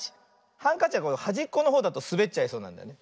ハンカチははじっこのほうだとすべっちゃいそうなんだよね。